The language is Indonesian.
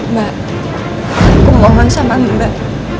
mbak aku mohon sama mbak